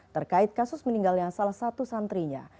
terkait kasus meninggalnya salah satu santrinya